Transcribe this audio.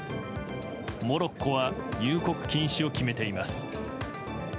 モロッコは入国禁止を決めています。